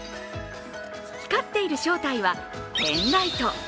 光っている正体はペンライト。